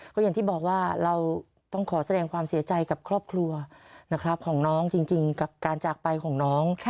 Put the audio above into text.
ก็อย่างที่บอกว่าเราต้องขอแสดงความเสียใจกับครอบครัวนะครับของน้องจริงกับการจากไปของน้อง